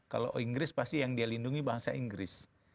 kalau inggris pasti yang dia lindungi bahasa inggris